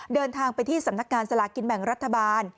เดินทางไปที่สำนักงานสลากินแบ่งรัฐบาล